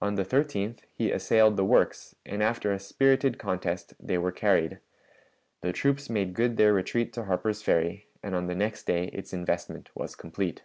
On the 13th he assailed the works, and after a spirited contest they were carried; the troops made good their retreat to Harper's Ferry, and on the next day its investment was complete.